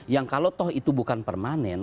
yang kalau toh itu bukan permanen